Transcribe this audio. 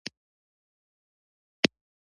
په لندن کې په یوه ماښامنۍ مېلمستیا کې.